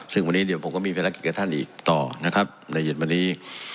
ซึ่งวันนี้เดี๋ยวผมก็มีภารกิจกับท่านอีกต่อนะครับในเย็นวันนี้